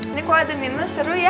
ini kok ada nino seru ya